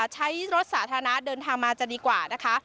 ใช้รถสาธารณะเดินทางมาจะดีกว่านะคะ